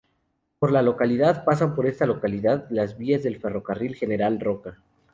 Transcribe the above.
Por la localidad pasan por esta localidad las vías del Ferrocarril General Roca.